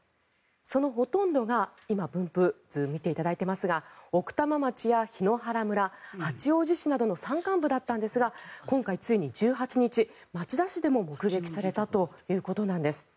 そのほとんどが今分布図を見ていただいていますが奥多摩町や檜原村八王子市などの山間部だったんですが今回ついに１８日、町田市でも目撃されたということです。